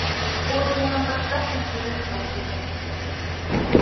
Purinanpaqtaqsi siminta kichan.